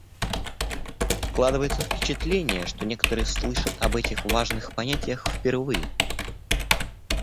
Складывается впечатление, что некоторые слышат об этих важных понятиях впервые.